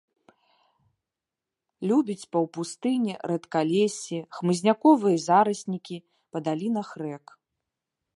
Любіць паўпустыні, рэдкалессі, хмызняковыя зараснікі па далінах рэк.